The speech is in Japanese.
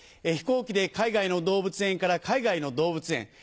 飛行機で海外の動物園から海外の動物園。